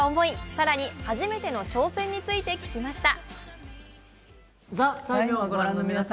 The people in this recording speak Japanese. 更に初めての挑戦について聞きました。